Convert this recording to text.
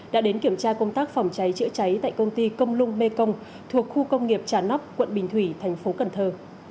đã đến kiểm tra công tác phòng cháy chữa cháy tại công ty công lung mekong thuộc khu công nghiệp trà nóc quận bình thủy thành phố cần thơ